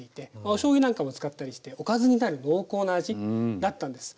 おしょうゆなんかも使ったりしておかずになる濃厚な味だったんです。